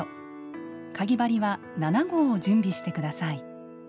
かぎ針は７号を準備してください。